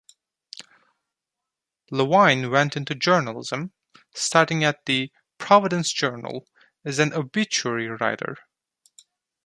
Levine went into journalism, starting at the "Providence Journal" as an obituary writer.